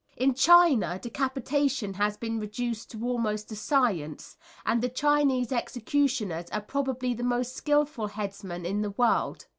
In China decapitation has been reduced to almost a science, and the Chinese executioners are probably the most skilful headsmen in the world.